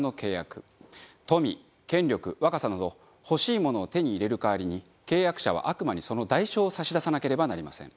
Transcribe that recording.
富権力若さなど欲しいものを手に入れる代わりに契約者は悪魔にその代償を差し出さなければなりません。